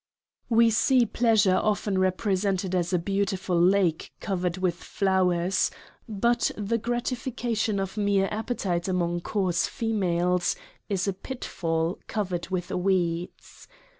We see Pleasure often represented as a beautiful Lake covered with Flowers but the Gratification of mere Appetite among Coarse Females, is a Pitfall covered with Weeds.